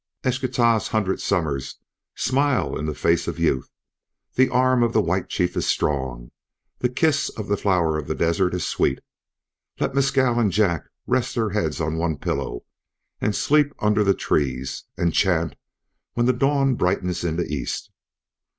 "Eschtah's hundred summers smile in the face of youth. The arm of the White Chief is strong; the kiss of the Flower of the Desert is sweet. Let Mescal and Jack rest their heads on one pillow, and sleep under the trees, and chant when the dawn brightens in the east.